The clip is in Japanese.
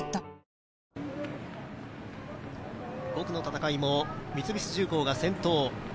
５区の戦いも三菱重工が先頭。